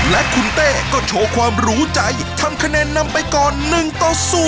และคุณเต้ก็โชว์ความรู้ใจทำคะแนนนำไปก่อน๑ต่อ๐